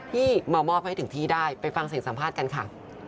ที่มามอบให้ถึงที่ได้ไปฟังเสียงสัมภาษณ์กันค่ะ